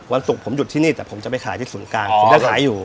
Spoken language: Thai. วันศุกร์ผมหยุดที่นี่แต่ผมจะไปขายที่ศูนย์กลางผมจะขายอยู่